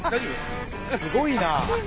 すごいな！